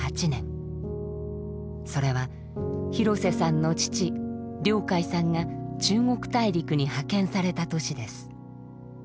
それは廣瀬さんの父亮誡さんが中国大陸に派遣された年です。